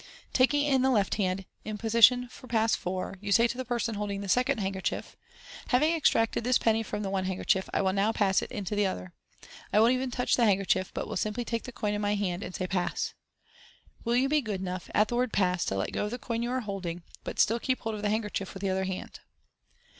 Taking it in the left hand, in position for Pass 4, you say to the person holding the second handkerchief (i Having extracted this penny from the one hand kerchief, I will now pass it into the other. I won't even touch the handkerchief, but will simply take the coin in my hand, and say, ' Pass !' Will you be good enough, at the word ' pass,' to let go of the coin you are holding, but still keep hold of the handkerchief with the other hand."